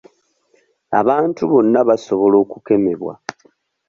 Abantu bonna basobola okukemebwa.